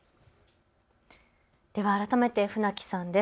では改めて船木さんです。